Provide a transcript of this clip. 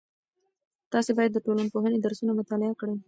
تاسې باید د ټولنپوهنې درسونه مطالعه کړئ.